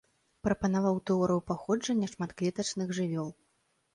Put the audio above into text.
Прапанаваў тэорыю паходжання шматклетачных жывёл.